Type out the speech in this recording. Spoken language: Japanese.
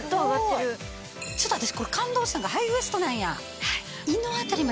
ちょっと私これ感動したのがハイウエストなんや。